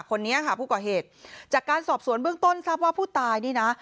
คนนี้ค่ะผู้ก่อเหตุจากการสอบสวนเบื้องต้นทราบว่าผู้ตายนี่นะ